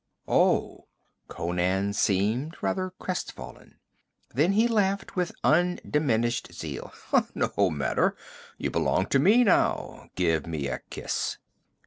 'Oh!' Conan seemed rather crestfallen. Then he laughed with undiminished zest. 'No matter. You belong to me now. Give me a kiss.'